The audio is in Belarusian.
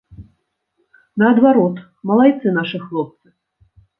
Наадварот, малайцы нашы хлопцы.